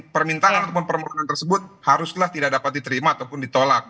permintaan ataupun permohonan tersebut haruslah tidak dapat diterima ataupun ditolak